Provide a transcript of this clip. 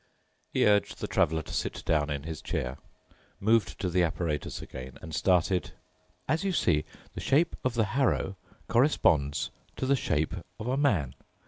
He urged the traveler to sit down in his chair, moved to the apparatus again, and started, "As you see, the shape of the harrow corresponds to the shape of a man.